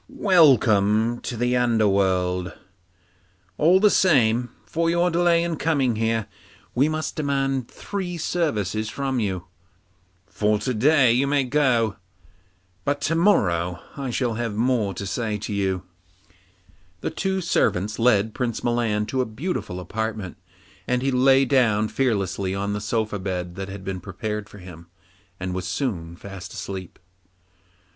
Welcome to the underworld! All the same, for your delay in coming here, we must demand three services from you. For to day you may go, but to morrow I shall have something more to say to you.' Then two servants led Prince Milan to a beautiful apartment, and he lay down fearlessly on the soft bed that had been prepared for him, and was soon fast asleep.